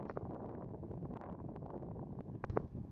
রাশির সম্পর্ক দিয়ে মানুষের সম্পর্ক নির্ধারণ করা হয়-এও আমি মানি না।